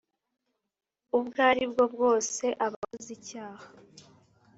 ubwo ari bwo bwose, aba akoze icyaha.